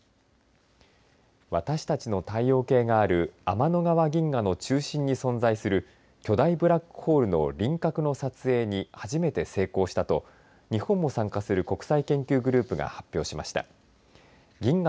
私たちの太陽系がある天の川銀河の中心に存在する巨大ブラックホールの輪郭の撮影に初めて成功したと日本も参加する国際研究グループが発表しました。